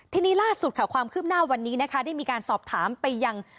ทีนี้ล่าสุดค่ะความคืบหน้าวันนี้นะคะได้มีการสอบถามไปยัง